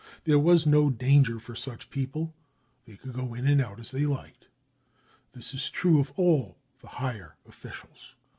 There was no danger for such people ; they could go in and out as they lilted. This is true of all the higher pfficials.